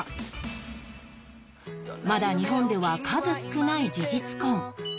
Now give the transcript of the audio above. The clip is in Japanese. まだ日本では数少ない事実婚